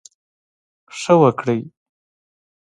ښه وکړٸ.